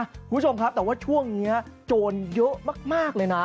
คุณผู้ชมครับแต่ว่าช่วงนี้โจรเยอะมากเลยนะ